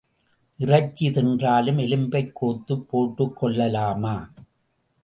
இறைச்சி தின்றாலும் எலும்பைக் கோத்துப் போட்டுக் கொள்ளலாமா?